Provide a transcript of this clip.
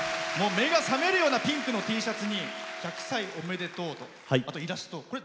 目が覚めるようなピンクのＴシャツに「１００歳おめでとう！」とイラスト。